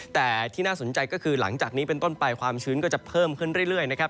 แต่ที่น่าสนใจก็คือหลังจากนี้เป็นต้นไปความชื้นก็จะเพิ่มขึ้นเรื่อยนะครับ